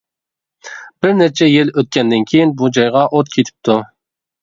بىرنەچچە يىل ئۆتكەندىن كېيىن بۇ جايغا ئوت كېتىپتۇ.